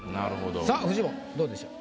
さあフジモンどうでしょう？